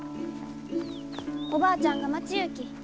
おばあちゃんが待ちゆうき。